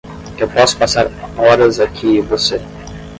eu posso passar horas aqui e você?